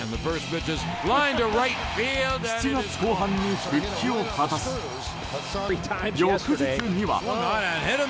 ７月後半に復帰を果たし翌日には。